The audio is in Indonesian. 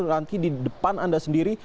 nanti di depan anda sendiri